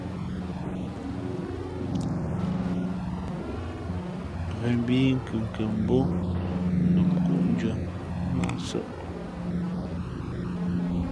Ghen mbhǐ kʉkěn mbǒ dom nkóndʉ̄ᾱ nā nsαʼ.